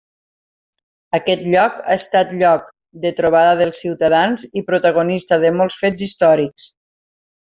Aquest lloc ha estat lloc de trobada dels ciutadans i protagonista de molts fets històrics.